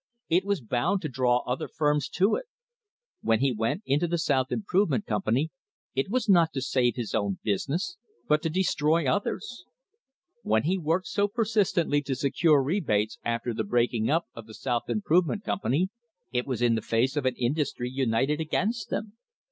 It was bound to draw other firms to it. When he went into the South Improvement Company it was not to save his own business, but to destroy others. When he worked so persistently to secure rebates after the breaking up of the South Improvement Company, it was in the face of an indus try united against them.